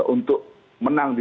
untuk menang di